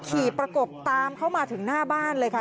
ขี่ประกบตามเข้ามาถึงหน้าบ้านเลยค่ะ